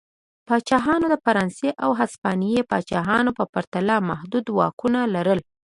پاچا د فرانسې او هسپانیې پاچاهانو په پرتله محدود واکونه لرل.